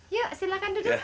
yuk silahkan duduk